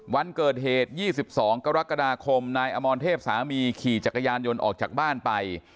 วันเกิดเหตุ๒๒กรกฎาคมนายอมรเทพสามีขี่จักรยานยนต์ออกจากบ้านไป